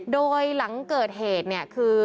โดยหลังเกิดเหตุเนี่ยคือ